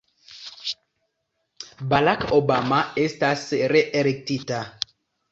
Barack Obama estas reelektita.